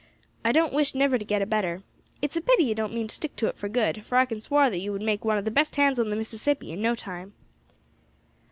I don't wish never to get a better. It's a pity ye don't mean to stick to it for good, for I can swar that you would make one of the best hands on the Mississippi, in time."